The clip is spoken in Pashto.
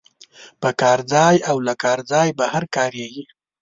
په کار ځای او له کار ځای بهر کاریږي.